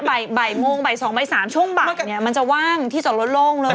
บ่ายโมงบ่าย๒บ่าย๓ช่วงบ่ายเนี่ยมันจะว่างที่จอดรถโล่งเลย